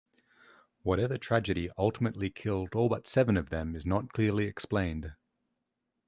Whatever tragedy ultimately killed all but seven of them is not clearly explained.